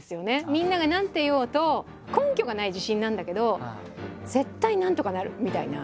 みんなが何て言おうと根拠がない自信なんだけど絶対なんとかなる！みたいな。